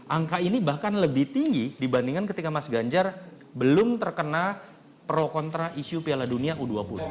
angka ini bahkan lebih tinggi dibandingkan ketika mas ganjar belum terkena pro kontra isu piala dunia u dua puluh